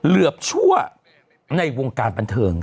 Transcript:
เหลือบชั่วในวงการบันเทิง